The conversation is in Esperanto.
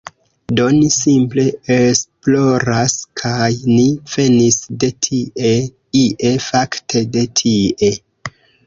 Do ni simple esploras, kaj ni venis de tie ie, fakte de tie.